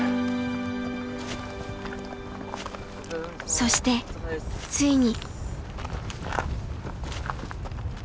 そしてついに。